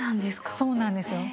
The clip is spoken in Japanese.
そうなんですよ。